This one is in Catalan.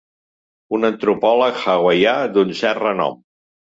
Un antropòleg hawaià d'un cert renom.